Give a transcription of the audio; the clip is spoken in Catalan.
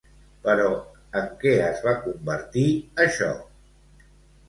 Però, en què es va convertir això?